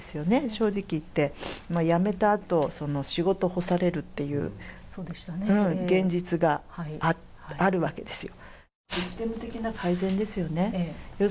正直言って、辞めたあと仕事干されるっていう現実があるわけですよ。